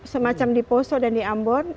semacam di poso dan di ambon